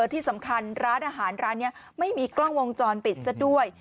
ที่สำคัญร้านอาหารร้านนี้ไม่มีกล้องวงจรปิดซะด้วย